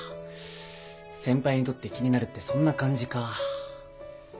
先輩にとって気になるってそんな感じか。